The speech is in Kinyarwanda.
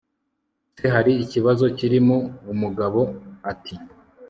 se hari ikibazo kirimo umugabo ati